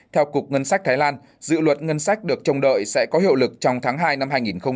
theo cục ngân sách thái lan dự luật ngân sách được trông đợi sẽ có hiệu lực trong tháng hai năm hai nghìn hai mươi